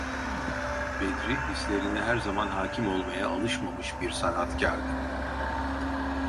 Bedri hislerine her zaman hâkim olmaya alışmamış bir sanatkârdı.